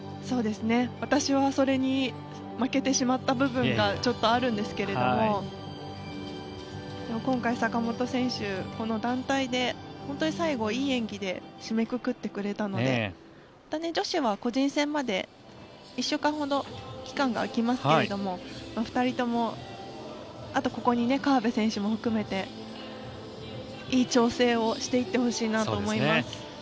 私はそれに負けてしまった部分がちょっとあるんですけれど今回、坂本選手この団体で本当に最後いい演技で締めくくってくれたのでまた女子は個人戦まで１週間ほど期間が空きますけれど２人ともあとここに河辺選手も含めていい調整をしていってほしいなと思います。